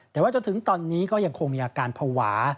แต่ว่าจนถึงตอนนี้ก็ยังคงมีอาการภาวะ